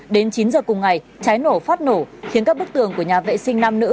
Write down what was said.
các trái nổ phát nổ khiến các bức tường của nhà vệ sinh năm nữ